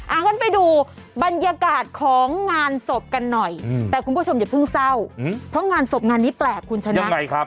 งั้นไปดูบรรยากาศของงานศพกันหน่อยแต่คุณผู้ชมอย่าเพิ่งเศร้าเพราะงานศพงานนี้แปลกคุณชนะยังไงครับ